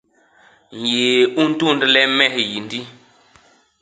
Nyéé u ntundle me hiyindi.